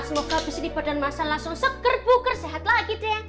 semoga habis ini badan masal langsung seker puker sehat lagi deh